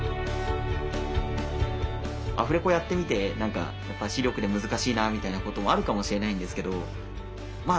アフレコやってみて何か「視力で難しいな」みたいなこともあるかもしれないんですけどま